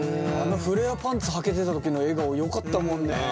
あのフレアパンツはけてた時の笑顔よかったもんね。